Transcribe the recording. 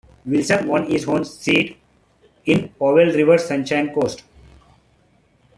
Wilson won his own seat in Powell River-Sunshine Coast.